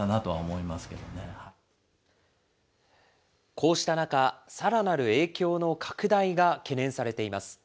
こうした中、さらなる影響の拡大が懸念されています。